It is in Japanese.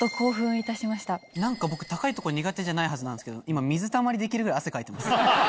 何か僕高いとこ苦手じゃないはずなんすけど今水たまり出来るくらい汗かいてます。